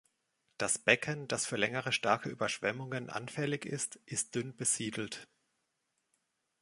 Das Becken, das für längere starke Überschwemmungen anfällig ist, ist dünn besiedelt.